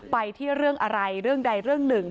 ไปที่เรื่องอะไรเรื่องใดเรื่องหนึ่ง